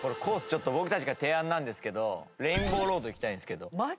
ちょっと僕たちから提案なんですけどレインボーロードいきたいんですけど。